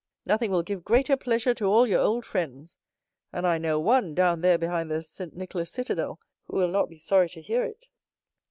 Nothing will give greater pleasure to all your old friends; and I know one down there behind the Saint Nicolas citadel who will not be sorry to hear it."